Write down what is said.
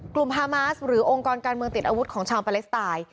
ฮามาสหรือองค์กรการเมืองติดอาวุธของชาวปาเลสไตน์